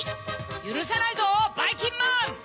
ゆるさないぞばいきんまん！